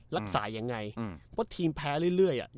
รักษายังไงอืมเพราะทีมแพ้เรื่อยเรื่อยอ่ะอืม